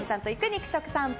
肉食さんぽ。